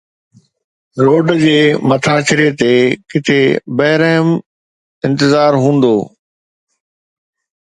road جي مٿاڇري تي ڪٿي بي رحم انتظار هوندو